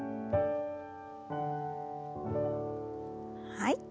はい。